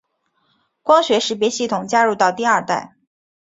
光学识别系统加入到第二代。